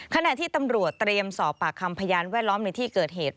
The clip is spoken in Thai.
ขณะที่ตำรวจเตรียมสอบปากคำพยานแวดล้อมในที่เกิดเหตุ